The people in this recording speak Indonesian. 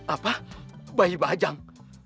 apa bayi bajang